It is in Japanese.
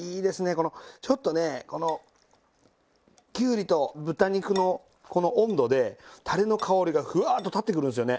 このちょっとねこのきゅうりと豚肉のこの温度でたれの香りがふわっと立ってくるんですよね。